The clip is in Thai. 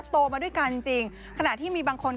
โตมาด้วยกันจริงขณะที่มีบางคน